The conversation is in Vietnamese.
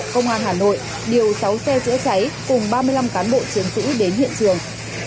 công an hà nội điều sáu xe chữa cháy cùng ba mươi năm cán bộ chiến sĩ đến hiện trường